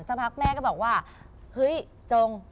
สักพักแม่ก็บอกว่าเฮ้ยจง